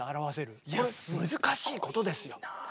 これ難しいことですよ。